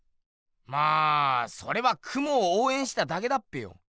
まあそれはクモをおうえんしただけだっぺよ。